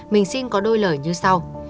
mình xin có đôi lời như sau